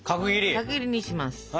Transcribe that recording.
角切りにします。